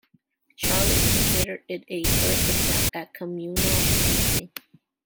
Charlot considered it a first attempt at "communal painting".